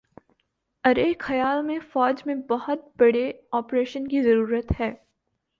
ارے خیال میں فوج میں بہت بڑے آپریشن کی ضرورت ہے